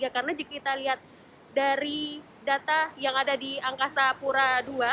karena jika kita lihat dari data yang ada di angkasa pura dua